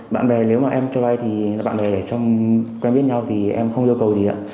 bạn bè nếu mà em cho vay thì bạn bè ở trong quen biết nhau thì em không yêu cầu gì